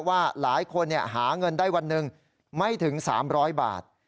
ว่าหลายคนเนี่ยหาเงินได้วันหนึ่งไม่ถึงสามร้อยบาท